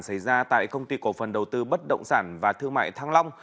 xảy ra tại công ty cổ phần đầu tư bất động sản và thương mại thăng long